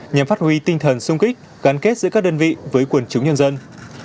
nhằm phát huy tinh thần sung kích gắn kết giữa các đơn vị với quần chúng nhân dân